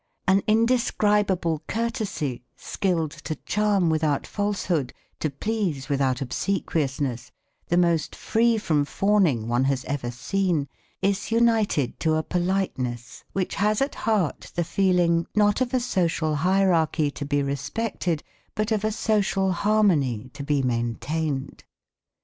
An indescribable courtesy, skilled to charm without falsehood, to please without obsequiousness, the most free from fawning one has ever seen, is united to a politeness which has at heart the feeling, not of a social hierarchy to be respected, but of a social harmony to be maintained.